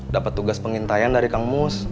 dapat tugas pengintaian dari kang mus